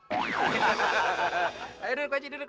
ayo duduk pak haji duduk